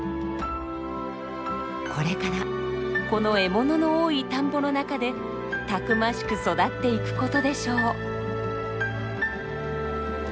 これからこの獲物の多い田んぼの中でたくましく育っていく事でしょう。